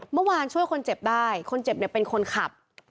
เมื่อวานช่วยคนเจ็บได้คนเจ็บเนี่ยเป็นคนขับ